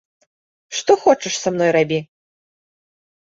Што хочаш са мной рабі!